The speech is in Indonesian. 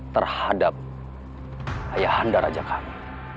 terhadap ayah anda raja kami